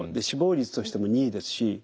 死亡率としても２位ですし。